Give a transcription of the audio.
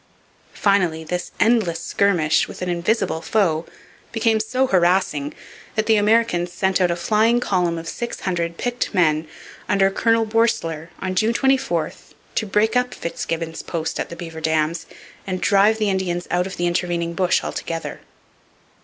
Finally, this endless skirmish with an invisible foe became so harassing that the Americans sent out a flying column of six hundred picked men under Colonel Boerstler on June 24 to break up FitzGibbon's post at the Beaver Dams and drive the Indians out of the intervening bush altogether.